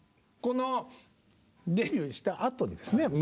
このデビューしたあとですね